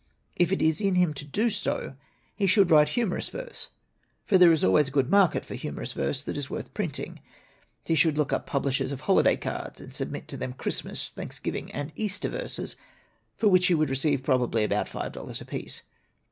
If it is in him to do so, he should write humorous verse, for there is always a good market for humorous verse that is worth printing. He should look up the publishers LITERATURE IN THE MAKING of holiday cards, and submit to them Christmas, Thanksgiving, and Easter verses, for which he would receive, probably, about five dollars apiece.